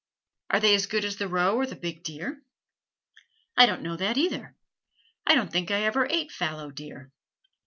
"Are they as good as the roe or the big deer?" "I don't know that either. I don't think I ever ate fallow deer.